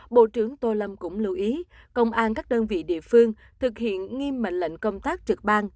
bộ trưởng tô lâm cũng lưu ý công an các đơn vị địa phương thực hiện nghiêm mệnh lệnh công tác trực ban